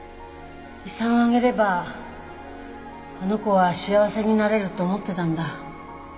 遺産をあげればあの子は幸せになれると思ってたんだ。